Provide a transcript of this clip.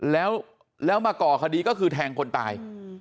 แล้วมาก่อคดีก็คือแทงคนตาย